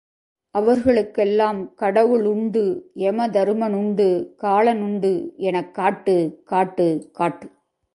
அவர்களுக் கெல்லாம் கடவுளுண்டு, யமதருமனுண்டு, காலனுண்டு எனக் காட்டு, காட்டு, காட்டு.